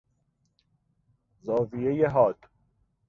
زاویهی حاد